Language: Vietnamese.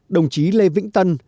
đồng chí lê vĩnh tân